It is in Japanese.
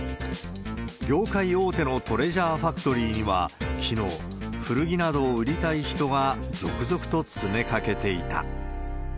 業界大手のトレジャー・ファクトリーには、きのう、古着などを売りたい人が続々と詰めかけていた。